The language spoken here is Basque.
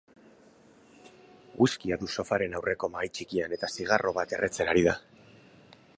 Whiskia du sofaren aurreko mahai txikian eta zigarro bat erretzen ari da.